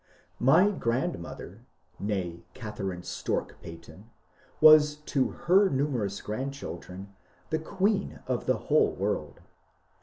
My grandmother (nee Catherine Storke Peyton) was to her numerous grandchildren the queen of the whole world.